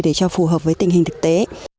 để cho phù hợp với tình hình thực tế